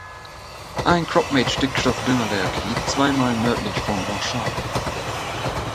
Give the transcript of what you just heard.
Ein Cropmate-Stickstoffdüngerwerk liegt zwei Meilen nördlich von Blanchard.